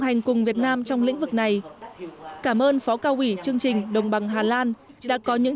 hành cùng việt nam trong lĩnh vực này cảm ơn phó cao ủy chương trình đồng bằng hà lan đã có những